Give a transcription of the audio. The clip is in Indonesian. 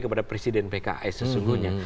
kepada presiden pks sesungguhnya